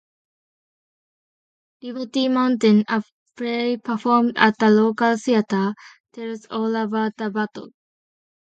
Liberty Mountain, a play performed at the local theater, tells all about the battle.